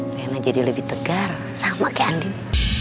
enak jadi lebih tegar sama kayak andin